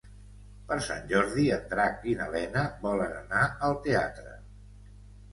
Per Sant Jordi en Drac i na Lena volen anar al teatre.